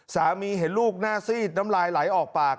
เห็นลูกหน้าซีดน้ำลายไหลออกปาก